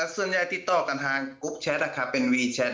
ส่วนใหญ่ติดต่อกันทางกรุ๊ปแชทเป็นวีแชท